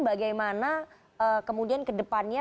bagaimana kemudian ke depannya